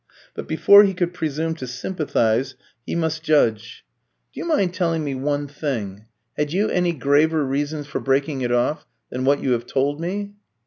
But before he could presume to sympathise he must judge. "Do you mind telling me one thing? Had you any graver reasons for breaking it off than what you have told me?"